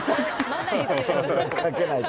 かけないと。